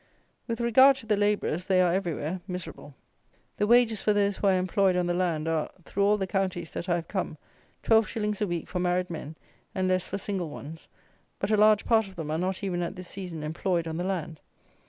With regard to the labourers, they are, everywhere, miserable. The wages for those who are employed on the land are, through all the counties that I have come, twelve shillings a week for married men, and less for single ones; but a large part of them are not even at this season employed on the land.